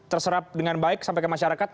terserap dengan baik sampai ke masyarakat